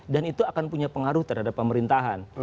dan itu akan punya pengaruh terhadap pemerintahan